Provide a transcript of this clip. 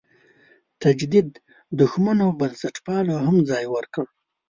تجدد دښمنو بنسټپالو هم ځای ورکړ.